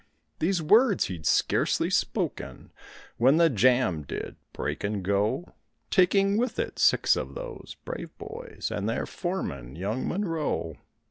These words he'd scarcely spoken when the jam did break and go, Taking with it six of those brave boys and their foreman, young Monroe.